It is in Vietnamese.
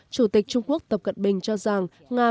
chủ tịch trung quốc tập cận bình cho rằng